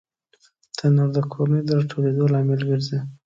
تنور د کورنۍ د راټولېدو لامل ګرځي